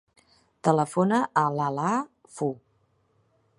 Telefona a l'Alaa Fu.